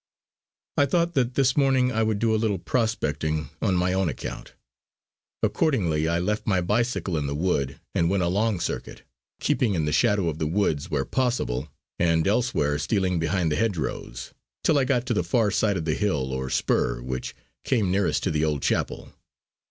I thought that this morning I would do a little prospecting on my own account. Accordingly I left my bicycle in the wood and went a long circuit, keeping in the shadow of the woods where possible, and elsewhere stealing behind the hedgerows, till I got to the far side of the hill or spur which came nearest to the old chapel.